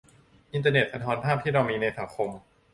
อินเทอร์เน็ตสะท้อนภาพที่เรามีในสังคม